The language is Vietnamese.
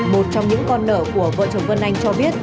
một trong những con nợ của vợ chồng vân anh cho biết